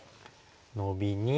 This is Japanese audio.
ノビに。